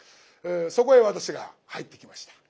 そこへ私が入ってきました。